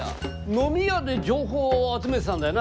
飲み屋で情報を集めてたんだよな？